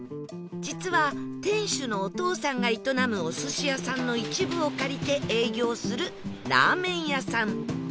実は店主のお父さんが営むお寿司屋さんの一部を借りて営業するラーメン屋さん